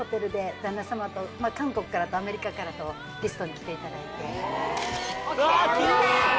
旦那様と韓国からとアメリカからとゲストに来ていただいて。